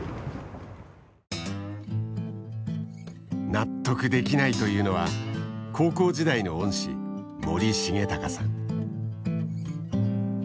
納得できないというのは高校時代の恩師森重隆さん。